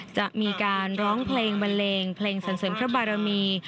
จะมีการร้องเพลงบันเลงเพลงสันเสริมพระบารมี